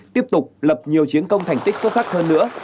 tiếp tục lập nhiều chiến công thành tích xuất sắc hơn nữa